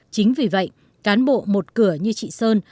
chính vì vậy cán bộ một cửa như chị sơn